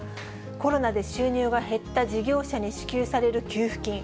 コロナで収入が減った事業者に支給される給付金。